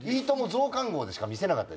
増刊号』でしか見せなかった。